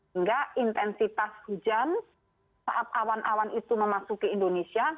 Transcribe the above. hingga intensitas hujan saat awan awan itu memasuki indonesia